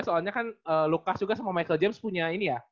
soalnya kan lukas juga sama michael james punya ini ya